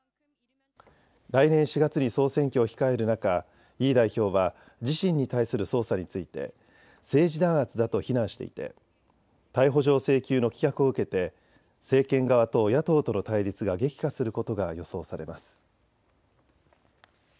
来年４月に総選挙を控える中、イ代表は自身に対する捜査について政治弾圧だと非難していて逮捕状請求の棄却を受けて政権側と野党との対立が激化することが予想されます。